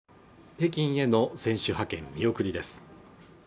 北京への選手派遣見送りです